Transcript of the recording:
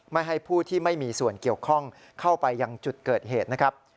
ไม่ให้ผู้ที่ไม่มีส่วนเกี่ยวข้องเข้าไปยังจุดเกิดเหตุนะครับ